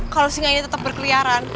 kalau singa ini tetap berkeliaran